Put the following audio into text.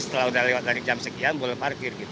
setelah udah lewat dari jam sekian boleh parkir gitu